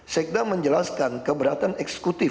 sekda menjelaskan keberatan eksekutif